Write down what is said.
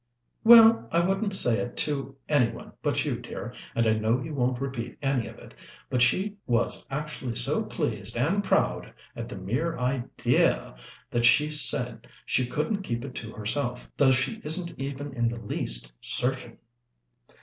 "Well, I wouldn't say it to any one but you, dear, and I know you won't repeat any of it, but she was actually so pleased and proud at the mere idea that she said she couldn't keep it to herself, though she isn't even in the least certain."